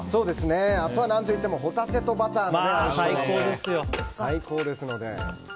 あとは何といってもホタテとバターも相性が最高ですので。